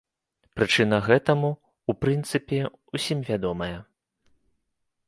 Прычына гэтаму, у прынцыпе, усім вядомая.